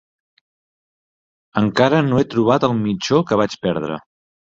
Encara no he trobat el mitjó que vaig perdre.